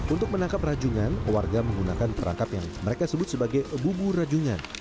untuk menangkap rajungan warga menggunakan perangkap yang mereka sebut sebagai bubur rajungan